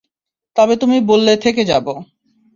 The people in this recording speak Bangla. তবে তুমি বললে থেকে যাবো।